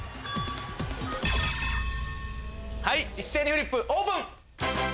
一斉にフリップオープン！